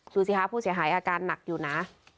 ดูสิคะผู้เสียหายอาการหนักอยู่นะ